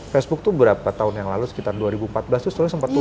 facebook tuh berapa tahun yang lalu sekitar dua ribu empat belas tuh sempat turun